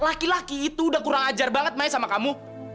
laki laki itu udah kurang ajar banget mae sama kamu